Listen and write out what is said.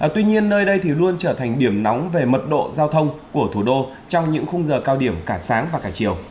tuy nhiên nơi đây luôn trở thành điểm nóng về mật độ giao thông của thủ đô trong những khung giờ cao điểm cả sáng và cả chiều